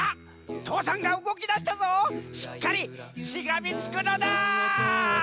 父山がうごきだしたぞしっかりしがみつくのだ！